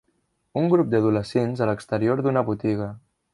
un grup d'adolescents a l'exterior d'una botiga.